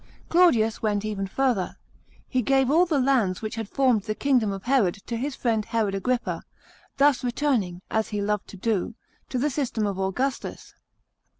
Claudius went even further. He gave all the lands which had formed the kingdom of Herod to his friend Herod Agrippa, thus returning, as he loved to do, to the system of Augustus.